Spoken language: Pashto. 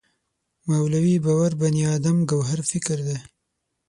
مولوی باور بني ادم ګوهر فکر دی.